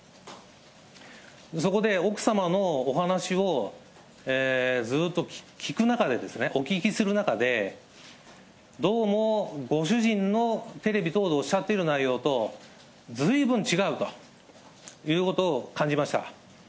そこで奥様のお話をずっと聞く中で、お聞きする中で、どうもご主人のテレビ等でおっしゃっている内容とずいぶん違うということを感じました。